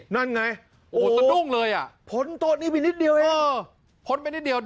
นั่นไงเยอะตอนนี้ผลิ้นลิดเดียวเอง